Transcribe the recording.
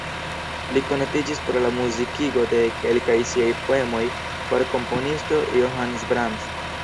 Li konatiĝis pro la muzikigo de kelkaj siaj poemoj far komponisto Johannes Brahms.